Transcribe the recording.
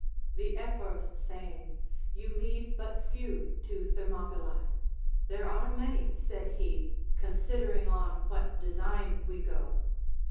The Ephors saying, You lead but few to Thermopylae ; They are many, said he, considering on what design we go.